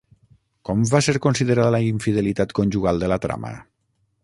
Com va ser considerada la infidelitat conjugal de la trama?